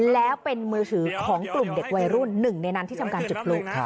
แล้วเป็นมือถือของกลุ่มเด็กวัยรุ่นหนึ่งในนั้นที่ทำการจุดพลุ